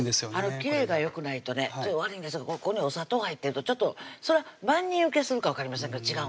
切れがよくないとね悪いんですけどここにお砂糖入ってるとちょっとそら万人受けするかわかりませんけど違うんですよ